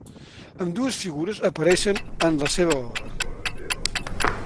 Ambdues figures apareixen en la seva obra.